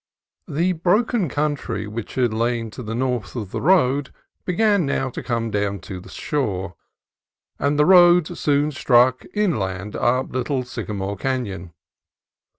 THE broken country which had lain to the north of the road began now to come down to the shore, and the road soon struck inland up Little Sycamore Canon.